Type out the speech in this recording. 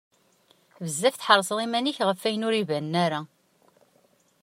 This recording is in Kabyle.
Bezzaf tḥerseḍ iman-ik ɣef wayen ur ibanen ara.